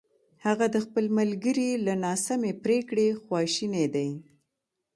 هغه د خپل ملګري له ناسمې پرېکړې خواشینی دی!